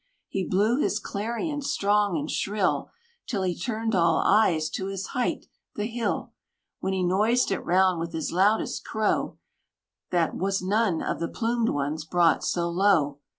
He blew his clarion strong and shrill, Till he turned all eyes to his height, the hill; When he noised it round with his loudest crow, That 't was none of the plumed ones brought so low.